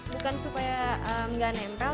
bukan supaya enggak nempel